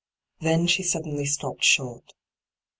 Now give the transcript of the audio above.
Then she suddenly stopped short.